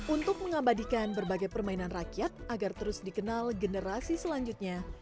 untuk mengabadikan berbagai permainan rakyat agar terus dikenal generasi selanjutnya